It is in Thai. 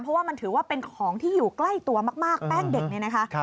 เพราะว่ามันถือว่าเป็นของที่อยู่ใกล้ตัวมากแป้งเด็กเนี่ยนะคะ